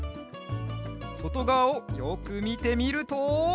そとがわをよくみてみると。